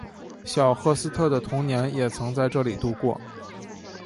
小赫斯特的童年也曾在这里度过。